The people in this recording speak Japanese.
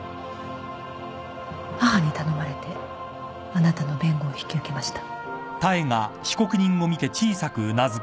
母に頼まれてあなたの弁護を引き受けました。